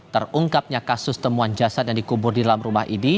terungkapnya kasus temuan jasad yang dikubur di dalam rumah ini